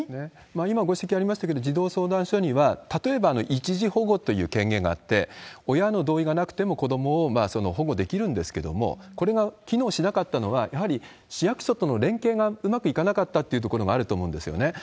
今ご指摘ありましたけれども、児童相談所には例えば一時保護という権限があって、親の同意がなくても子どもを保護できるんですけれども、これが機能しなかったのは、やはり市役所との連携がうまくいかなかったというところがあると思うんですよね。